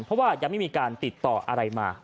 เพราะว่ายังไม่มีการติดต่ออะไรมา